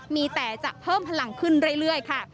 มีแต่จะเพิ่มพลังขึ้นเรื่อยค่ะ